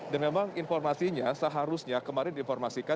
dan memang informasinya seharusnya kemarin diinformasikan